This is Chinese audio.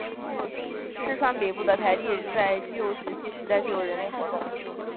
市川北部的台地上在旧石器时代就有人类活动。